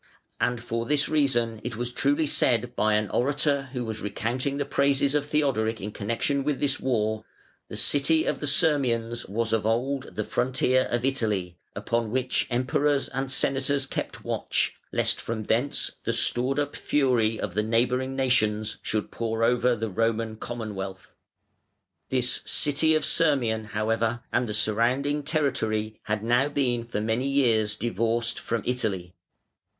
And for this reason it was truly said by an orator who was recounting the praises of Theodoric in connection with this war: "The city of the Sirmians was of old the frontier of Italy, upon which Emperors and Senators kept watch, lest from thence the stored up fury of the neighbouring nations should pour over the Roman Commonwealth". [Footnote 106: Ennodius.] This city of Sirmium, however, and the surrounding territory had now been for many years divorced from Italy.